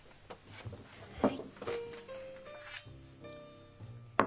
はい。